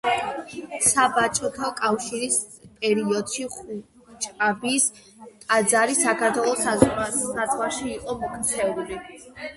საბჭოთა კავშირის პერიოდში ხუჯაბის ტაძარი საქართველოს საზღვრებში იყო მოქცეული.